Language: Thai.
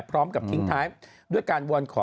พร้อมกับทิ้งไทม์ด้วยการบวนขอ